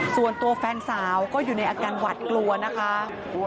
ส่วนตัวแฟนสาวก็อยู่ในอาการหวัดกลัวนะคะ